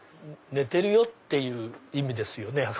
寝てるよっていう意味ですよね。